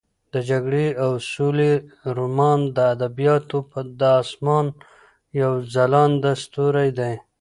د جګړې او سولې رومان د ادبیاتو د اسمان یو ځلانده ستوری دی.